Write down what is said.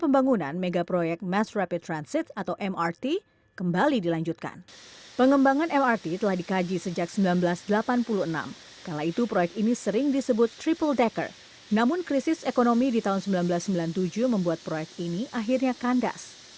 berikut laporannya untuk anda